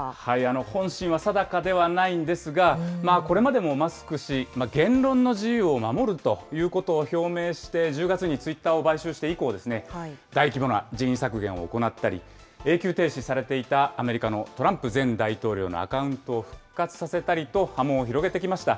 本心は定かではないんですが、これまでもマスク氏、言論の自由を守るということを表明して、１０月にツイッターを買収して以降、大規模な人員削減を行ったり、永久停止されていたアメリカのトランプ前大統領のアカウントを復活させたりと波紋を広げてきました。